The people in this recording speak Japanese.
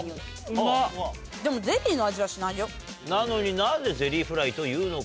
うまっ！なのになぜゼリーフライというのか。